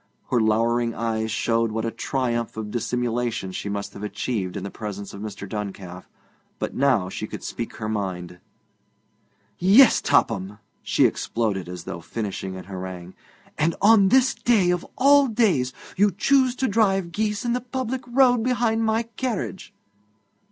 Her louring eyes showed what a triumph of dissimulation she must have achieved in the presence of Mr. Duncalf, but now she could speak her mind. 'Yes, Topham!' she exploded, as though finishing an harangue. 'And on this day of all days you choose to drive geese in the public road behind my carriage!'